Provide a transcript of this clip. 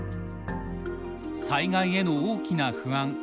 災害への大きな不安。